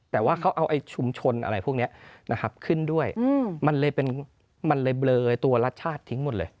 แต่ว่าเขาเอาชุมชนอะไรพวกนี้นะครับขึ้นด้วยมันเลยเป็นมันเลยเบลอตัวรัชชาติทิ้งหมดเลย